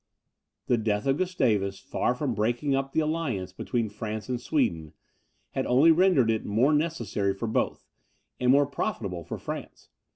The death of Gustavus, far from breaking up the alliance between France and Sweden, had only rendered it more necessary for both, and more profitable for France.